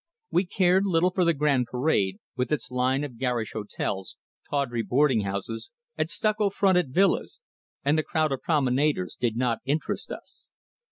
We cared little for the Grand Parade, with its line of garish hotels, tawdry boarding houses and stucco fronted villas, and the crowd of promenaders did not interest us.